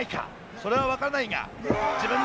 それは分からないが自分の。